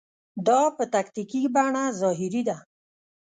دا په تکتیکي بڼه ظاهري ده.